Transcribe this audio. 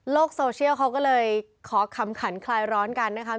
โซเชียลเขาก็เลยขอขำขันคลายร้อนกันนะคะ